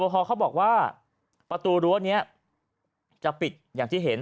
พอเขาบอกว่าประตูรั้วนี้จะปิดอย่างที่เห็น